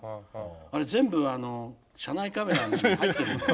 あれ全部車内カメラに入ってるんです。